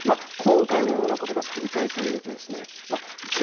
今回のようなことが繰り返されるとですね